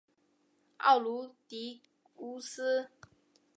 奥卢狄乌斯。